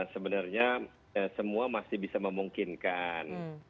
sebenarnya semua masih bisa memungkinkan